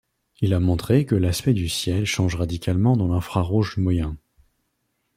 Il a montré que l'aspect du ciel change radicalement dans l'infrarouge moyen.